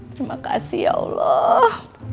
terima kasih ya allah